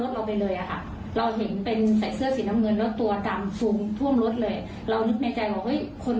เรานึกในใจว่าเฮ้ยคนบ้าอะไรมาข้ามสะสมต่อเมื่อคืนแล้วไม่กลัวรถชนเหรอ